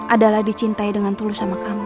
adalah dicintai dengan tulus sama kamu